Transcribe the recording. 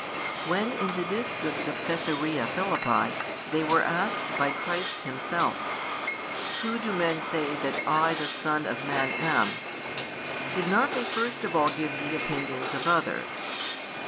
When, in the district of Caesarea Philippi, they were asked by Christ Himself: Who do men say that I the Son of Man am? did not they first of all give the opinions of others?